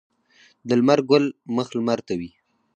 د لمر ګل مخ لمر ته وي.